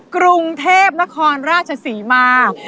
กรุงเทพนครราชศรีมา